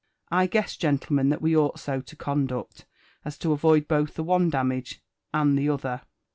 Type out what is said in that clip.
I guess, gentlemen, that we ought so to conduct, as to avoid bolh the one damage and the t'other."